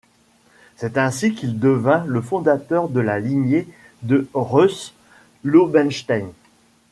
C'est ainsi qu'il devint le fondateur de la lignée de Reuss-Lobenstein.